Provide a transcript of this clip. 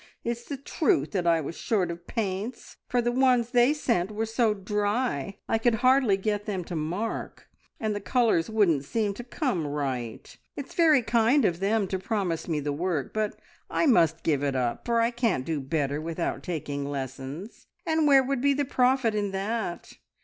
It's the truth that I was short of paints, for the ones they sent were so dry I could hardly get them to mark, and the colours wouldn't seem to come right. It's very kind of them to promise me work, but I must give it up, for I can't do better without taking lessons, and where would be the profit in that?